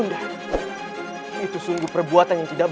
saya semoga tak berhasil